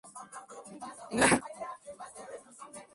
Justin Francis dirigió el videoclip.